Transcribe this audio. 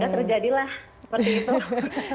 udah terjadilah seperti itu